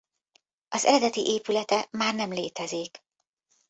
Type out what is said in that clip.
Az eredeti épülete már nem létezik.